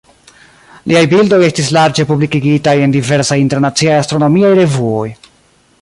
Liaj bildoj estis larĝe publikigitaj en diversaj internaciaj astronomiaj revuoj.